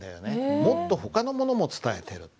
もっとほかのものも伝えてる。